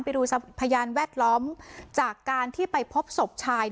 ไปดูพยานแวดล้อมจากการที่ไปพบศพชาย